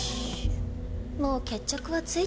もう決着はついてるの。